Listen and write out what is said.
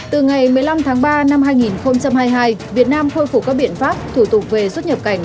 từ ngày một mươi năm tháng ba năm hai nghìn hai mươi hai việt nam khôi phục các biện pháp thủ tục về xuất nhập cảnh